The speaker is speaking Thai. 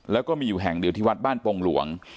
แล้วก็มีอยู่แห่งเดียวที่วัดบ้านปงหลวง